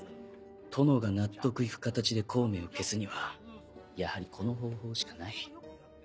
殿が納得行く形で孔明を消すにはやはりこの方法しかない。